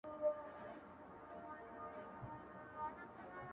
o نه كيږي ولا خانه دا زړه مـي لـه تن وبــاسـه ـ